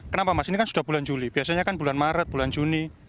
kenapa mas ini kan sudah bulan juli biasanya kan bulan maret bulan juni